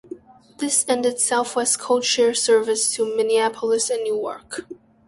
This ended Southwest codeshare service to Minneapolis and Newark.